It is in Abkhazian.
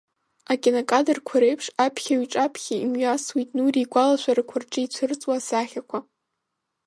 Акинокадрқәа реиԥш аԥхьаҩ иҿаԥхьа имҩасуеит Нури игәалашәарақәа рҿы ицәырҵуа асахьақәа.